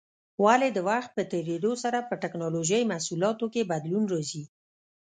ولې د وخت په تېرېدو سره په ټېکنالوجۍ محصولاتو کې بدلون راځي؟